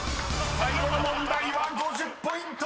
［最後の問題は５０ポイント！］